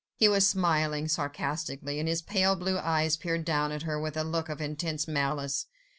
He was smiling sarcastically, and his pale eyes peered down at her with a look of intense malice.